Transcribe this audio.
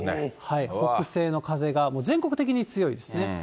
北西の風が、もう全国的に強いですね。